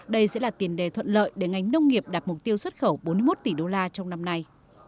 đây sẽ là tiền đề thuận lợi để ngành nông nghiệp đạt mục tiêu xuất khẩu bốn mươi một tỷ đô la trong năm nay